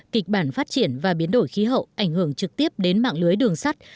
kịch bản phát triển và biến đổi khí hậu ảnh hưởng trực tiếp đến mạng lưới đường sắt